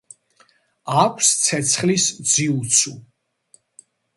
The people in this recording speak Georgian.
აქვს ცეცხლის ძიუცუ.